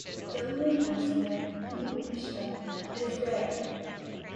Doubling elsewhere in the orchestra is rare.